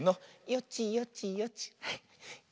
よちよちよち。